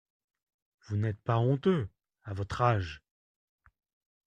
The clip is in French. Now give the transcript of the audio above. Vous n’êtes pas honteux… à votre âge !